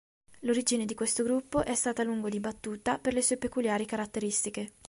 L'origine di questo gruppo è stata a lungo dibattuta per le sue peculiari caratteristiche.